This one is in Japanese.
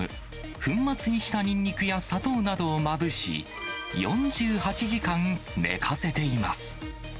粉末にしたニンニクや砂糖などをまぶし、４８時間寝かせています。